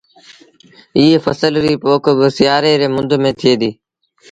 ايٚئي ڦسل ريٚ پوک با سيآري ريٚ مند ٿئي ديٚ